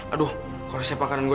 aduh kalau saya pakai barang barang